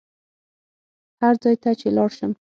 هر ځای ته چې لاړ شم.